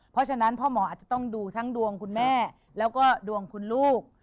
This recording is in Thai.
เพราะฉะนั้นพ่อหมออาจจะต้องดูทั้งดวงคุณแม่แล้วก็ดวงคุณลูก